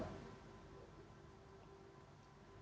masih di mute pak saud